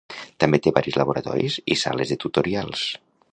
També té varis laboratoris i sales de tutorials.